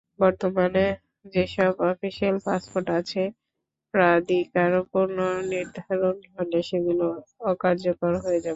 বর্তমানে যেসব official passport আছে, প্রাধিকার পুনর্নির্ধারণ হলে সেগুলো অকার্যকর হয়ে যাবে।